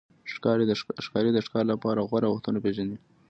ښکاري د ښکار لپاره غوره وختونه پېژني.